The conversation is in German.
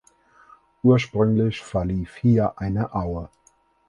Ursprünglich verlief hier eine Aue.